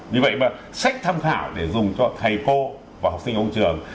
vì vậy mà sách tham khảo để dùng cho thầy cô và học sinh trong trường